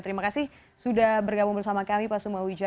terima kasih sudah bergabung bersama kami pak semawijaya